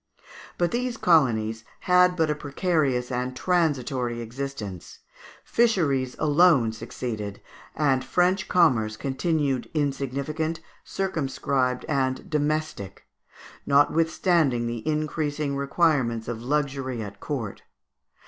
But these colonies had but a precarious and transitory existence; fisheries alone succeeded, and French commerce continued insignificant, circumscribed, and domestic, notwithstanding the increasing requirements of luxury at court.